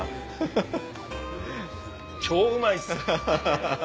超うまいっす！